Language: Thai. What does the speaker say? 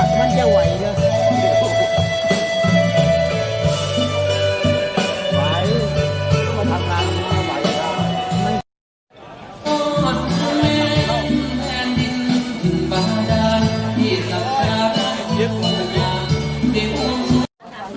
สวัสดีทุกคน